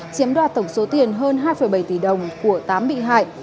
chiếm đoạt tổng số tiền hơn hai bảy tỷ đồng của tám bị hại